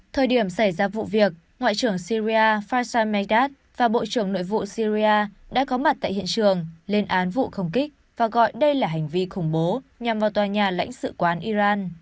thời điểm xảy ra vụ việc ngoại trưởng syria fassa megas và bộ trưởng nội vụ syria đã có mặt tại hiện trường lên án vụ không kích và gọi đây là hành vi khủng bố nhằm vào tòa nhà lãnh sự quán iran